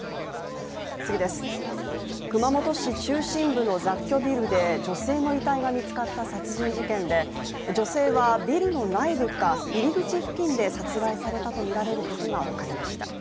熊本市中心部の雑居ビルで女性の遺体が見つかった殺人事件で女性はビルの内部か入り口付近で殺害されたとみられることが分かりました。